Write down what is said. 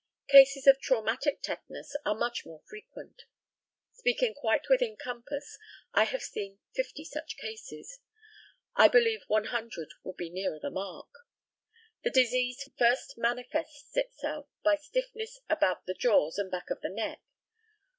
Cases of traumatic tetanus are much more frequent. Speaking quite within compass, I have seen fifty such cases. I believe 100 would be nearer the mark. The disease first manifests itself by stiffness about the jaws and back of the neck.